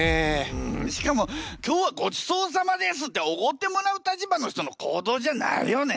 うんしかも今日はごちそうさまですっておごってもらう立場の人の行動じゃないよね。